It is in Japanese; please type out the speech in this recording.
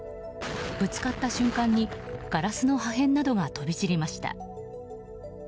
ぶつかった瞬間に、ガラスの破片などが飛び散りました。